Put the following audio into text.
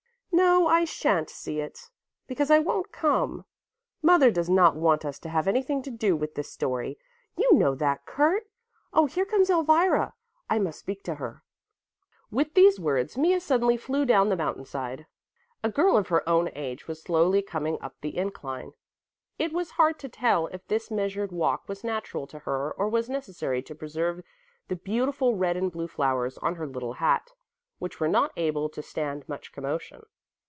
"No, I shan't see it, because I won't come. Mother does not want us to have anything to do with this story, you know that, Kurt! Oh, here comes Elvira! I must speak to her." With these words Mea suddenly flew down the mountainside. A girl of her own age was slowly coming up the incline. It was hard to tell if this measured walk was natural to her or was necessary to preserve the beautiful red and blue flowers on her little hat, which were not able to stand much commotion.